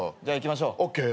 じゃあ行きましょう。